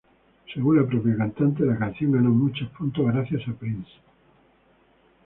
Según la propia cantante la canción ganó muchos puntos gracias a Prince.